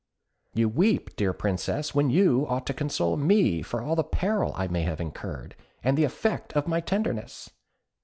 "You weep, dear Princess, when you ought to console me for all the peril I may have incurred, as the effect of my tenderness."